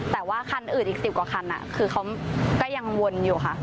แต่ว่าคันอื่นอีก๑๐กว่าคันคือเขาก็ยังวนอยู่ค่ะ